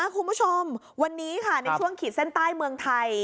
คุณผู้ชมวันนี้ค่ะในช่วงขีดเส้นใต้เมืองไทย